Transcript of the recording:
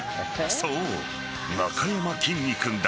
そう、なかやまきんに君だ。